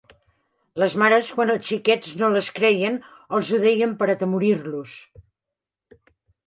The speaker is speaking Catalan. Les mares, quan els xiquets no les creien, els ho deien per atemorir-los.